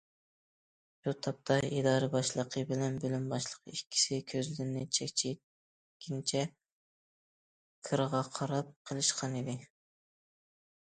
شۇ تاپتا ئىدارە باشلىقى بىلەن بۆلۈم باشلىقى ئىككىسى كۆزلىرىنى چەكچەيتكىنىچە گىرغا قاراپ قېلىشقانىدى.